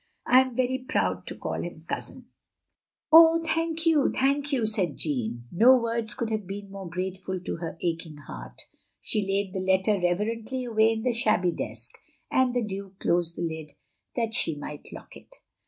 "I am very proud to call him cousin." 3S8 THE LONELY LADY "Oh, thank you, thank you," cried Jeanne. No words could have been more grateful to her aching heart. She laid the letter reverently away in the shabby desk; and the Duke closed the lid that she might lock it.